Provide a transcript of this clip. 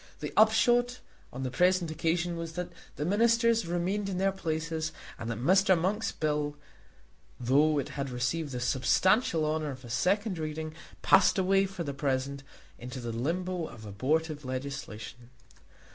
The upshot on the present occasion was that the Ministers remained in their places and that Mr. Monk's bill, though it had received the substantial honour of a second reading, passed away for the present into the limbo of abortive legislation.